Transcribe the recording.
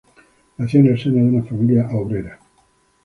Nació en el seno de una familia obrera.